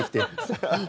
そう。